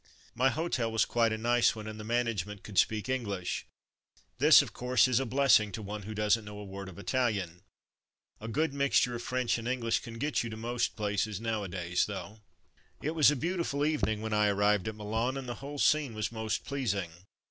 My hotel was quite a nice one, and the management could speak English. This, of course, is a blessing to one who doesn't know a word of Italian. A good mixture of French and English can get you to most places now adays though. It was a beautiful evening when I arrived at Milan, and the whole scene was most pleasing.